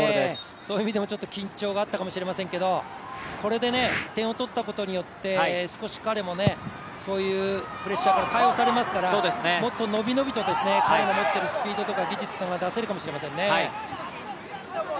そういう意味でも緊張があったかもしれませんけれども、これで点を取ったことによって、少し彼もそういうプレッシャーから解放されますから、もっと伸び伸びと彼の持っているスピードとか技術が出せるかもしれませんね。